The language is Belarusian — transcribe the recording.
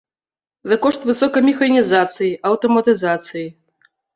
За кошт высокай механізацыі, аўтаматызацыі.